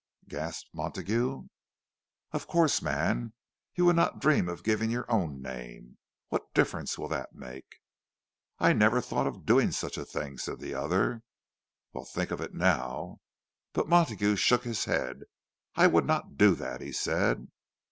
gasped Montague. "Of course, man—you would not dream of giving your own name! What difference will that make?" "I never thought of doing such a thing," said the other. "Well, think of it now." But Montague shook his head. "I would not do that," he said.